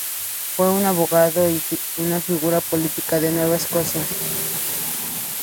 Fue un abogado y una figura política de Nueva Escocia.